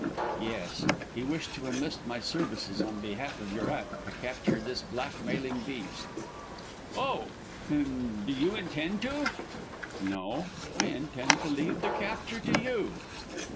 "Yes. He wished to enlist my services on behalf of your aunt to capture this blackmailing beast." "Oh; and do you intend to?" "No. I intend to leave the capture to you."